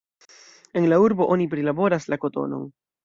En la urbo oni prilaboras la kotonon.